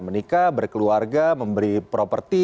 menikah berkeluarga memberi properti